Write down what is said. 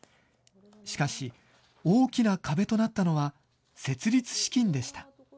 しかし、大きな壁となったのは、設立資金でした。